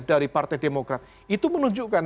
dari partai demokrat itu menunjukkan